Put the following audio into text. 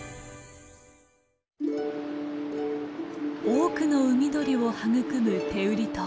多くの海鳥を育む天売島。